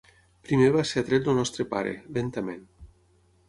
Primer va ser atret el nostre pare, lentament.